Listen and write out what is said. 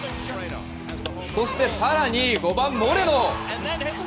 そして更に５番、モレノ！